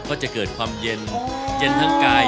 ก็จะเกิดความเย็นเย็นทั้งกาย